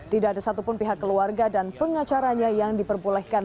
tidak ada satupun pihak keluarga dan pengacaranya yang diperbolehkan